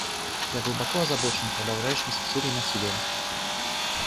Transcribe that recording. Я глубоко озабочен продолжающимся в Сирии насилием.